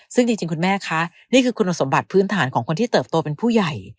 ซึ่งจริงคุณแม่คะนี่คือคุณสมบัติพื้นฐานของคนที่เติบโตเป็นผู้ใหญ่